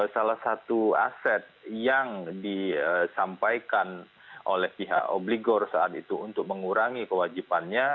salah satu aset yang disampaikan oleh pihak obligor saat itu untuk mengurangi kewajibannya